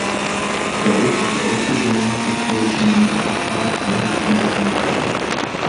Er ist auf die Ausführungen des Vorsitzenden Rocard überhaupt nicht eingegangen.